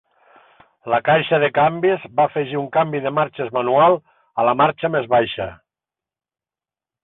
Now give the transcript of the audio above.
La caixa de canvis va afegir un canvi de marxes manual a la marxa més baixa.